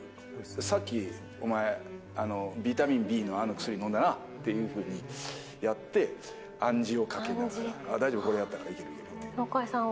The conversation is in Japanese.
さっきお前、ビタミンＢのあの薬飲んだなっていうふうにやって、暗示をかけながら、大丈夫、中井さんは？